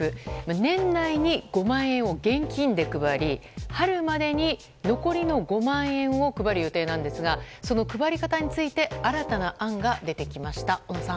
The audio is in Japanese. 年内に５万円を現金で配り春までに、残りの５万円を配る予定なんですがその配り方について新たな案が出てきました。